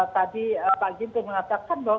tadi pak ginting mengatakan bahwa